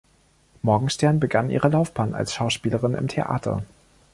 Morgenstern begann ihre Laufbahn als Schauspielerin im Theater.